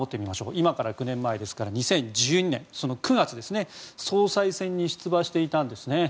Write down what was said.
今から９年前、２０１２年その９月、総裁選に出馬していたんです。